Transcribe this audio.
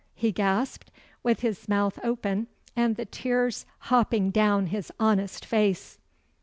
he gasped, with his mouth open, and the tears hopping down his honest face.